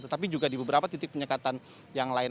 tetapi juga di beberapa titik penyekatan yang lain